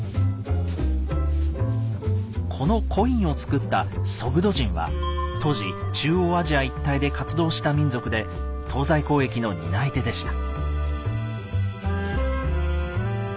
このコインを作った「ソグド人」は当時中央アジア一帯で活動した民族で東西交易の担い手でした。